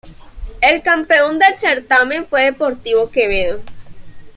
El campeón del certamen fue Deportivo Quevedo.